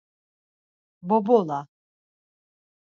Bobola